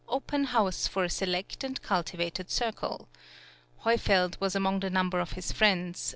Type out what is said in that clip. "} (87) open house for a select and cultivated circle. Heufeld was among the number of his friends.